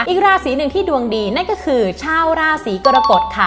อีกราศีหนึ่งที่ดวงดีนั่นก็คือชาวราศีกรกฎค่ะ